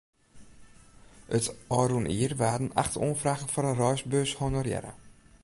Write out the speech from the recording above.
It ôfrûne jier waarden acht oanfragen foar in reisbeurs honorearre.